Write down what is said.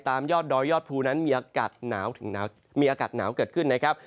ตามยอดดอยยอดภูนั้นมีอากาศหนาวเกิดขึ้นนะครับ